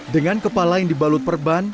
dengan kepala yang dibalut perban